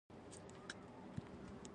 پارلمان زیاتره غړو تولیدي کارخانې لرلې.